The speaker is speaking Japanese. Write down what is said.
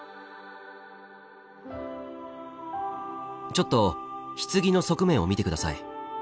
ちょっと棺の側面を見て下さい。